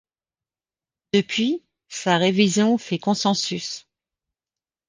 Depuis, sa révision fait consensus.